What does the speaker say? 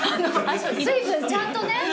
水分ちゃんとね。